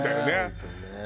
本当にね。